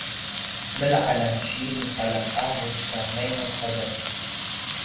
مل عەلەم، شیرین قەلەم، ئاهوو شکەم، مەیموون قەدەم